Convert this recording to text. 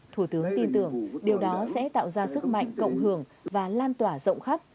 thủ tướng tin tưởng điều đó sẽ tạo ra sức mạnh cộng hưởng và lan tỏa rộng khắp